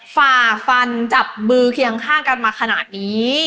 ฝ่าฟันจับมือเคียงข้างกันมาขนาดนี้